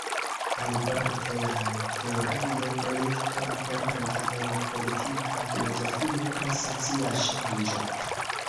Alivorte, la teoria projekto aperanta en Politika Filozofio pri Socia Ŝanĝo.